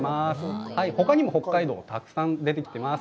ほかにも北海道たくさん出てきてます。